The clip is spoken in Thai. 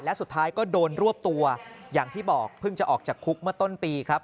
และสุดท้ายก็โดนรวบตัวอย่างที่บอกเพิ่งจะออกจากคุกเมื่อต้นปีครับ